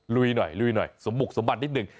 ลุยหน่อยลุยหน่อยสมบุกสมบัตินิดหนึ่ง